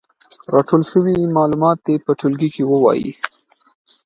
راټول شوي معلومات دې په ټولګي کې ووايي.